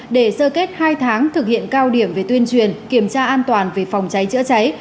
để sơ kết hai tháng thực hiện cao điểm về tuyên truyền kiểm tra an toàn về phòng cháy chữa cháy